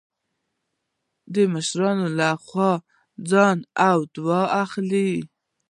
د مشرانو خوا له ځه او دعا يې اخله